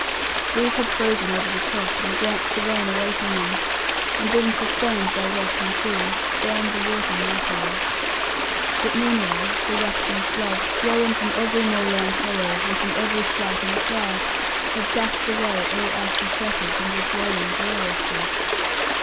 These had frozen over the top, and glanced the rain away from them, and being sustained by rock and tree, spanned the water mightily. But meanwhile the waxing flood, swollen from every moorland hollow and from every spouting crag, had dashed away all icy fetters, and was rolling gloriously.